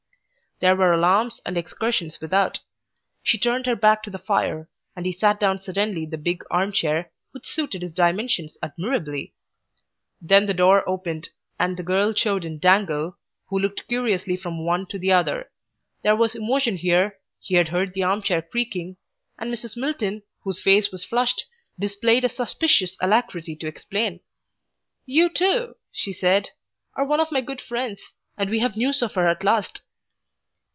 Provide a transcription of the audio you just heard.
There were alarms and excursions without. She turned her back to the fire, and he sat down suddenly in the big armchair, which suited his dimensions admirably. Then the door opened, and the girl showed in Dangle, who looked curiously from one to the other. There was emotion here, he had heard the armchair creaking, and Mrs. Milton, whose face was flushed, displayed a suspicious alacrity to explain. "You, too," she said, "are one of my good friends. And we have news of her at last."